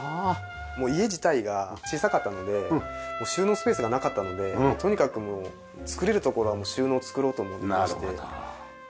家自体が小さかったので収納スペースがなかったのでとにかくもう造れるところは収納造ろうと思ってまして。